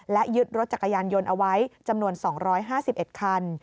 และยึดรถจักรยานยนต์เอาไว้จำนวน๒๕๑คัน